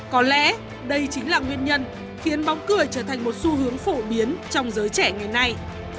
có lẽ đây chính là nguyên nhân khiến bóng cười trở thành một xu hướng phổ biến trong giới trẻ ngày nay